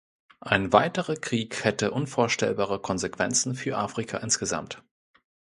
Ein weiterer Krieg hätte unvorstellbare Konsequenzen für Afrika insgesamt.